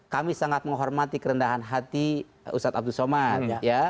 kami sangat menghormati kerendahan hati ustadz abdul somad